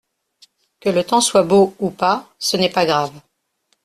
Que le temps soit beau ou pas ce n’est pas grave.